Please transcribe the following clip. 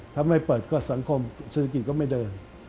ถ้าไม่เปิดก็สังคมเศรษฐกิจก็ไม่เดิน